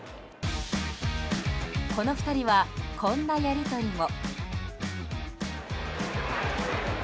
この２人はこんなやり取りも。